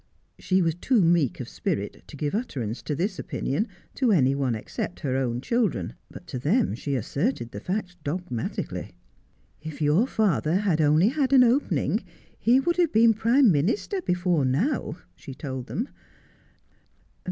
She was too meek of spirit to give utter ance to this opinion to any one except her own children ; but to them she asserted the fact dogmatically. ' If your father had only had an opening, he would have been Prime Minister before now,' she told them.